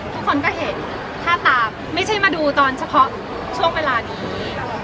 ทุกคนก็เห็นท่าตามไม่ใช่มาดูตอนเฉพาะช่วงเวลานี้